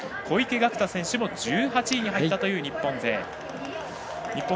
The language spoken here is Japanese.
小池岳太選手も１８位に入ったという日本勢です。